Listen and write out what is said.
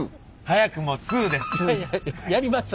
２。早くも２です。